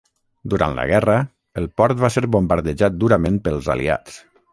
Durant la guerra, el port va ser bombardejat durament pels aliats.